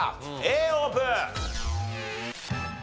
Ａオープン。